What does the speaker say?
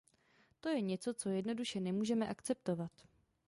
To je něco, co jednoduše nemůžeme akceptovat.